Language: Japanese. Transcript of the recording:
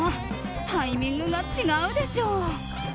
タイミングが違うでしょ。